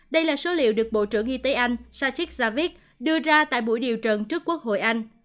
đây là số liệu được bộ trưởng y tế anh sachik zavich đưa ra tại buổi điều trần trước quốc hội anh